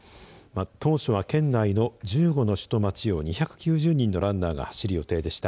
当初は県内の１５の市と町を２９０人のランナーが走る予定でした。